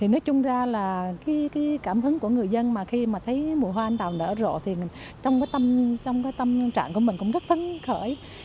nói chung ra là cảm hứng của người dân mà khi mà thấy mùa hoa anh đào nở rộ thì trong tâm trạng của mình cũng rất phấn khởi